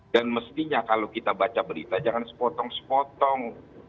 dan mestinya kalau kita baca berita jangan sepotong sepotong